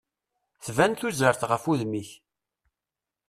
Tban tuzert ɣef udem-ik.